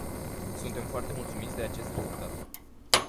Suntem foarte mulțumiți de acest rezultat.